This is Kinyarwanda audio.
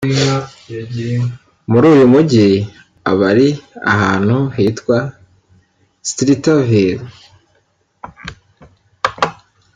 muri uyu mujyi aba ari ahantu hitwa Streeterville